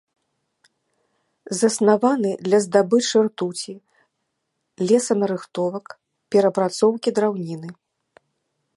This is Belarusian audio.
Заснаваны для здабычы ртуці, лесанарыхтовак, перапрацоўкі драўніны.